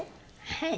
はい。